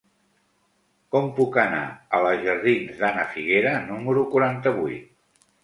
Com puc anar a la jardins d'Ana Figuera número quaranta-vuit?